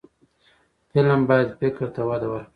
فلم باید فکر ته وده ورکړي